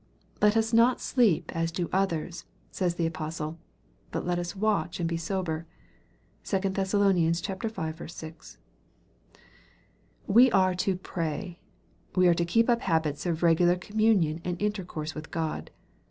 " Let us not sleep as do others," says the apostle. " but let us watch and be sober " (1 Thess^ v. 6.) We are to pray. We are to keep up habits of regular communion and intercourse with God.